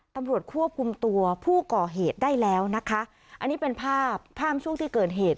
ตำรวจควบคุมตัวผู้ก่อเหตุได้แล้วนะคะอันนี้เป็นภาพภาพช่วงที่เกิดเหตุ